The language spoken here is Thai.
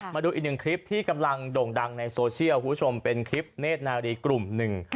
มาดูอีกหนึ่งคลิปที่กำลังโด่งดังในโซเชียลคุณผู้ชมเป็นคลิปเนธนารีกลุ่มหนึ่ง